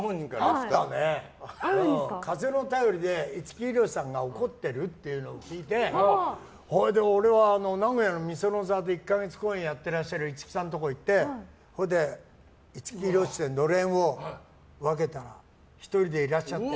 風の便りで五木ひろしさんが怒ってるっていうのを聞いてそれで、おれは名古屋で１か月公演やっていらっしゃる五木さんのところに行って五木ひろしさんにのれんを分けたら１人でいらっしゃって。